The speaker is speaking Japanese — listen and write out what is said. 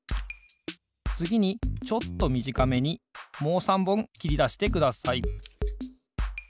つぎにちょっとみじかめにもう３ぼんきりだしてください。